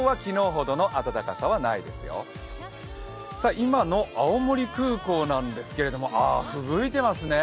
今の青森空港なんですけどああ、吹雪いていますね。